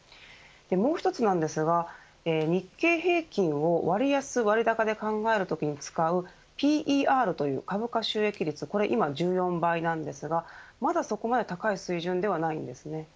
もう１つなんですが日経平均を割安割高で考えるときに使うＰＥＲという株価収益率これ今１４倍なんですがまだそこまで高い水準ではないんですね。